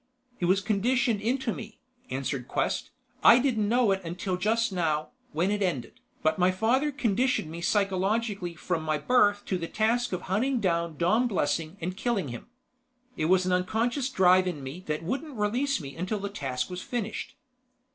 "It was conditioned into me," answered Quest "I didn't know it until just now, when it ended, but my father conditioned me psychologically from my birth to the task of hunting down Dom Blessing and killing him. It was an unconscious drive in me that wouldn't release me until the task was finished.